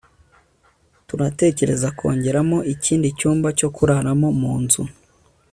turatekereza kongeramo ikindi cyumba cyo kuraramo munzu